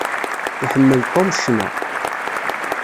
Iḥemmel Tom ccna.